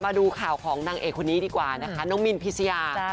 มาดูข่าวของนางเอกคนนี้ดีกว่านะคะน้องมินพิชยา